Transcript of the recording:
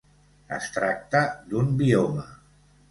Es tracta d'un bioma.